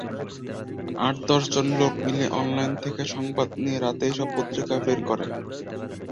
আট-দশজন লোক মিলে অনলাইন থেকে সংবাদ নিয়ে রাতে এসব পত্রিকা বের করে।